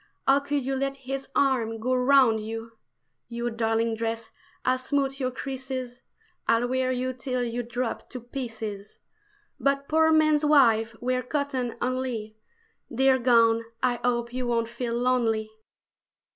How could you let his arm go round you? You darling dress I'll smooth your creases, I'll wear you till you drop to pieces; But poor men's wives wear cotton only Dear gown I hope you won't feel lonely!